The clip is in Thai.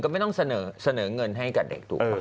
ไม่ต้องเสนอเงินให้กับเด็กถูกป่ะ